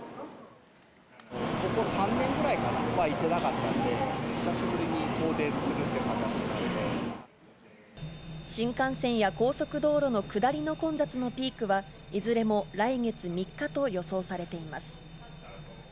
ここ３年ぐらいかな、行ってなかったので、新幹線や高速道路の下りの混雑のピークは、いずれも来月３日と予想されています。